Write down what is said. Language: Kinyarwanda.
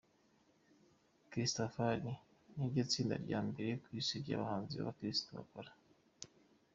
Christafari, ni ryo tsinda rya mbere ku isi ry'abahanzi b'abakristo bakora